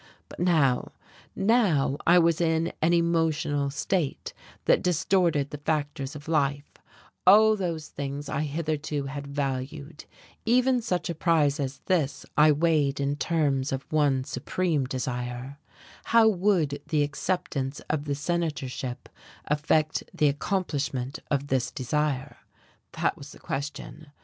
But now now I was in an emotional state that distorted the factors of life, all those things I hitherto had valued; even such a prize as this I weighed in terms of one supreme desire: how would the acceptance of the senatorship affect the accomplishment of this desire? That was the question.